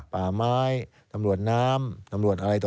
ป่าไม้ตำรวจน้ำตำรวจอะไรต่อ